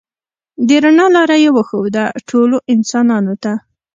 د رڼا لاره یې وښوده ټولو انسانانو ته.